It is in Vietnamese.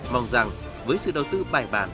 mong rằng với sự đầu tư bài bản